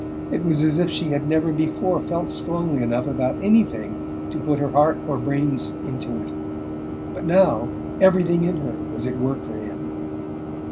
It was as if she had never before felt strongly enough about anything to put her heart or her brains into it; but now everything in her was at work for him.